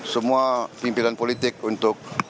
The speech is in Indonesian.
semua pimpinan politik untuk